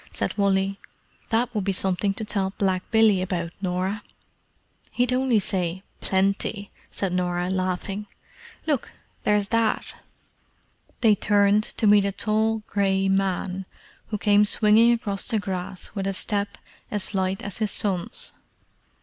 said Wally. "That would be something to tell black Billy about, Norah!" "He'd only say Plenty!" said Norah, laughing. "Look—there's Dad!" They turned to meet a tall grey man who came swinging across the grass with a step as light as his son's.